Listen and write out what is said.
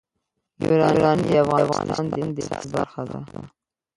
یورانیم د افغانستان د اقتصاد برخه ده.